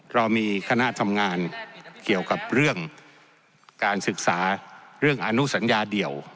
เรามีคณะทำงานเกี่ยวกับเรื่องการศึกษาเรื่องอนุสัญญาเดี่ยว